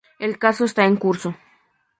El caso está en curso.